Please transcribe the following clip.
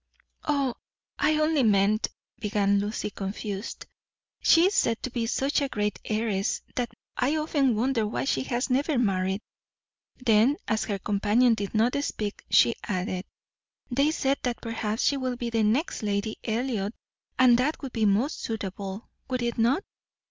"Oh, I only meant " began Lucy, confused. "She is said to be such a great heiress, that I often wonder why she has never married." Then, as her companion did not speak, she added: "They say that perhaps she will be the next Lady Elliot, and that would be most suitable, would it not?